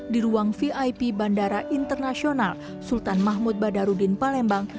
di ruang vip bandara internasional sultan mahmud badarudin palembang